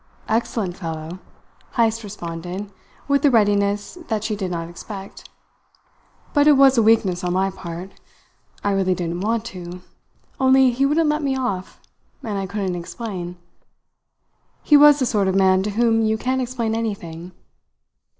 "Excellent fellow," Heyst responded, with a readiness that she did not expect. "But it was a weakness on my part. I really didn't want to, only he wouldn't let me off, and I couldn't explain. He was the sort of man to whom you can't explain anything.